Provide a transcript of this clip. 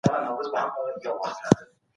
ښوونه له لوبې سره ښه ده.